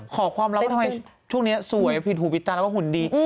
ขอความรับว่าทำไมช่วงนี้สวยผิดหูผิดตาแล้วก็หุ่นดี